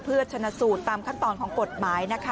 เพื่อชนะสูตรตามขั้นตอนของกฎหมายนะคะ